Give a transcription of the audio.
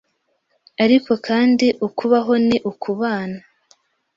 Ariko kandi ukubaho ni ukubana;